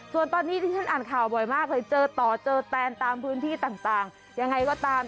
ส่วนตอนนี้ที่ฉันอ่านข่าวบ่อยมากเลยเจอต่อเจอแตนตามพื้นที่ต่างยังไงก็ตาม